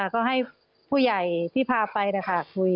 ก็ให้ผู้ใหญ่ที่พาไปนะคะ